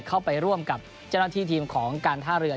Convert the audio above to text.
เข้าไปร่วมกับเจ้าหน้าที่ทีมของการท่าเรือ